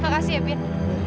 terima kasih ya bin